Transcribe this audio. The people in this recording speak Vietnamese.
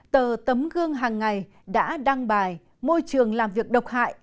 tờ tấm gương hàng ngày đã đăng bài môi trường làm việc độc hại